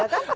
nah ya kan